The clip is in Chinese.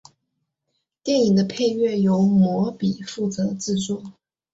电影的配乐由魔比负责制作。